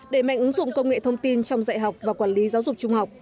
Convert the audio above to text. để mạnh ứng dụng công nghệ thông tin trong dạy học và quản lý giáo dục trung học